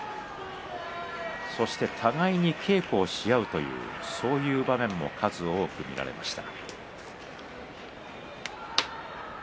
そして互いに稽古をし合うというそういう場面も数多く見られました。